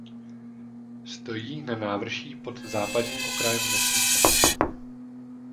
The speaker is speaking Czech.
Stojí na návrší nad západním okrajem vesnice.